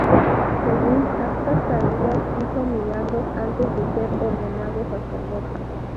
Según actas tardías, hizo milagros antes de ser ordenado sacerdote.